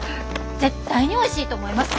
絶対においしいと思います！